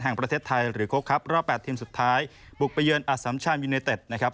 แห่งประเทศไทยหรือโค้กครับรอบ๘ทีมสุดท้ายบุกไปเยือนอสัมชาญยูเนเต็ดนะครับ